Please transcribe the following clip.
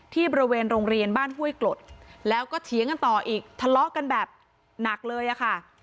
ที่บริเวณโรงเรียนบ้านห้วยกรดแล้วก็เถียงกันต่ออีกทะเลาะกันแบบหนักเลยอะค่ะ